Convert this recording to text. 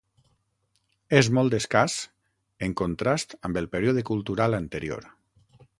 És molt escàs en contrast amb el període cultural anterior.